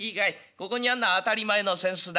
ここにあんのは当たり前の扇子だ。